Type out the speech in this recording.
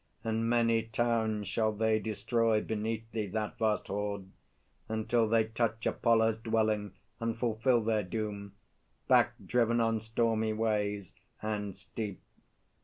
And many towns shall they Destroy beneath thee, that vast horde, until They touch Apollo's dwelling, and fulfil Their doom, back driven on stormy ways and steep.